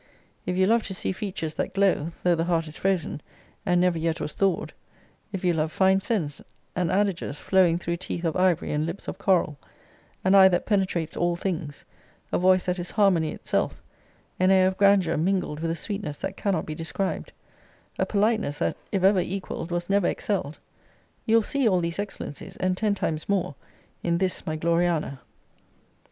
If you love to see features that glow, though the heart is frozen, and never yet was thawed; if you love fine sense, and adages flowing through teeth of ivory and lips of coral; an eye that penetrates all things; a voice that is harmony itself; an air of grandeur, mingled with a sweetness that cannot be described; a politeness that, if ever equaled, was never excelled you'll see all these excellencies, and ten times more, in this my GLORIANA.